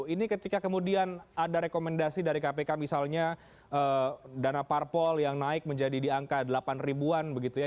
ini ketika kemudian ada rekomendasi dari kpk misalnya dana parpol yang naik menjadi di angka delapan ribuan begitu ya